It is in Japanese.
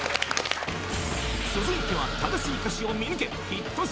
続いては正しい歌詞を見抜け！